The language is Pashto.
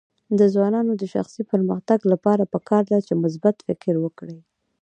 د ځوانانو د شخصي پرمختګ لپاره پکار ده چې مثبت فکر وکړي.